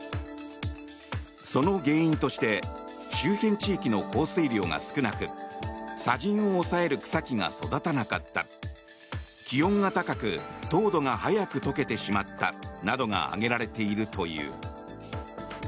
その原因として周辺地域の降水量が少なく砂じんを抑える草木が育たなかった気温が高く凍土が早く解けてしまったなどが挙げられているという。